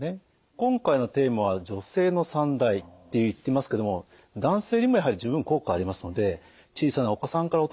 今回のテーマは女性の三大って言ってますけども男性にもやはり十分効果がありますので小さなお子さんからお年寄りまでですね